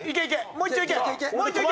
もう一丁いけ！